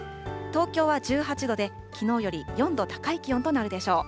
東京は１８度で、きのうより４度高い気温となるでしょう。